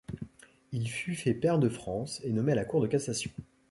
Il fut fait pair de France et nommé à la Cour de cassation.